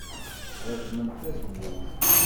Reẓẓment tazewwut.